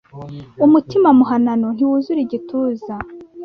Umutima muhanano ntiwuzura igituza